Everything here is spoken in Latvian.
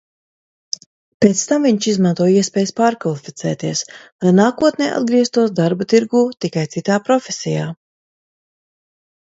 Pēc tam viņš izmanto iespējas pārkvalificēties, lai nākotnē atgrieztos darba tirgū, tikai citā profesijā.